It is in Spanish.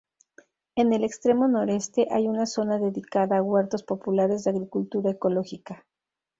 En el extremo noreste hay una zona dedicada a huertos populares de agricultura ecológica.